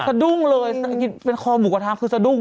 สะดุ้งเลยเป็นคอหมูกระทะคือสะดุ้ง